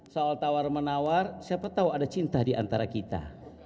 soal tawar menawar siapa tau ada cinta diantara kita